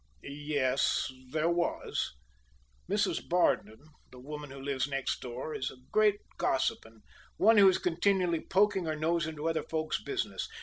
"Yes, there was. Mrs. Bardon, the woman who lives next door, is a great gossip and one who is continually poking her nose into other folks' business.